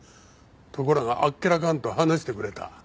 ところがあっけらかんと話してくれた。